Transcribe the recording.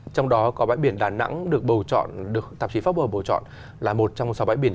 trong đó có bãi biển đà nẵng được bầu chọn được tạp chí pháp bờ bầu chọn là một trong sáu bãi biển